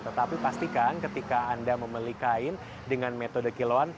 tetapi pastikan ketika anda membeli kain dengan metode kiloan